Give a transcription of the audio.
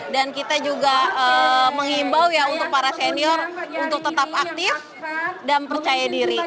dan kita juga mengimbau ya untuk para senior untuk tetap aktif dan percaya diri